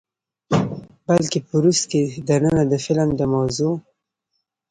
بلکې په روس کښې دننه د فلم د موضوع،